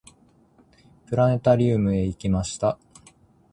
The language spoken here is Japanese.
プラネタリウムへ行きました。